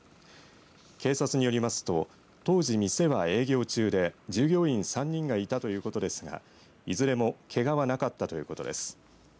警察によりますと当時店は営業中で従業員３人がいたということですがいずれも、けがはなかったということです。